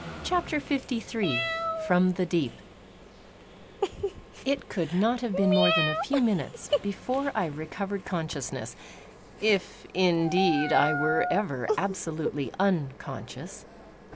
CHAPTER LIII FROM THE DEEP It could not have been more than a few minutes before I recovered consciousness, if indeed I were ever absolutely unconscious.